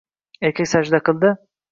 Erkka sajda qildilar.